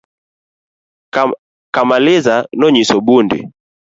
Kamaliza nonyiso Bundi